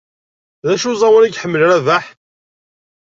D acu n uẓawan ay iḥemmel Rabaḥ?